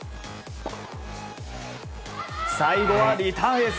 最後はリターンエース。